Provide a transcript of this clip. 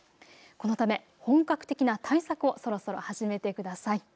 このため本格的な対策をそろそろ始めてください。